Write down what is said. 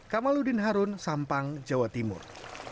kamaludin harun sampang jawa timur